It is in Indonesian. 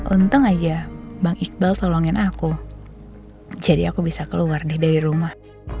untung aja bang iqbal tolongin aku jadi aku bisa keluar deh dari rumah